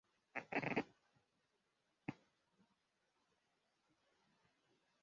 Uhagaritse cyane mu muhengeri hamwe nundi wegera